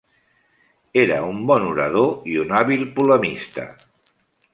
Era un bon orador i un hàbil polemista.